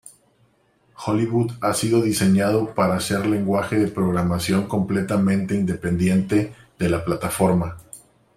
Hollywood ha sido diseñado para ser lenguaje de programación completamente independiente de la plataforma.